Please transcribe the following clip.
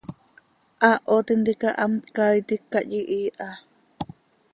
Haaho tintica hamt caaitic cah yihiiha.